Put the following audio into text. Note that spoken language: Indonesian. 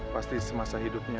pasti semasa hidupnya